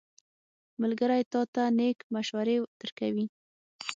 ملګری تا ته نېک مشورې درکوي.